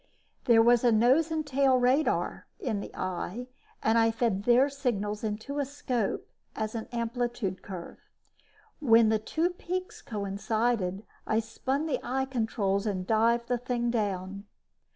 There was a nose and tail radar in the eye and I fed their signals into a scope as an amplitude curve. When the two peaks coincided, I spun the eye controls and dived the thing down.